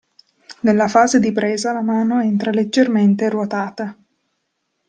Nella fase di presa la mano entra leggermente ruotata.